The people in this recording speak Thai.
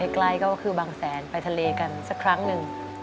ใกล้ก็คือบางแสนไปทะเลกันสักครั้งหนึ่ง